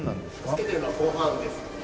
つけてるのはご飯ですね。